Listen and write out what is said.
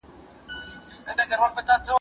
حکومت د عامه ګټو د ساتنې مسوول دی.